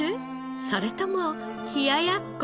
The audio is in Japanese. それとも冷ややっこ？